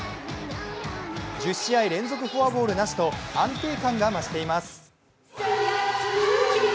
１０試合連続フォアボールなしと安定感が増してます。